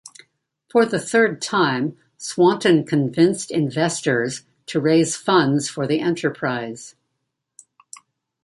For the third time Swanton convinced investors to raise funds for the enterprise.